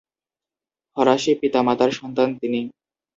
ফরাসী পিতা-মাতার সন্তান তিনি।